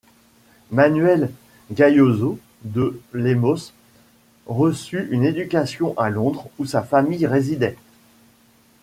Manuel Gayoso de Lemos reçut une éducation à Londres où sa famille résidait.